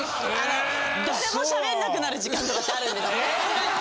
誰もしゃべんなくなる時間とかってあるんですね。